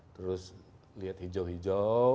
terus lihat hijau hijau